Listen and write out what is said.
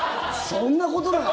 そんなことなの？